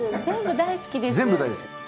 全部大好きです。